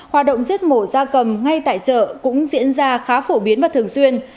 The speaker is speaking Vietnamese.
hoạt động giết mổ ra cầm ngay tại chợ cũng diễn ra khá phổ biến và thường xuyên